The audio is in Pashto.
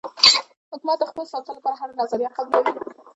حکومت د خپل ساتلو لپاره هره نظریه قبلوي.